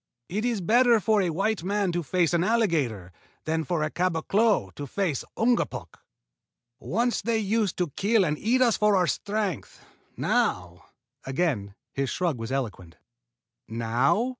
"It is better for a white man to face an alligator than for a caboclo to face an Ungapuk. Once they used to kill and eat us for our strength. Now " Again his shrug was eloquent. "Now?"